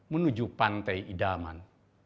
menuju pantai idaman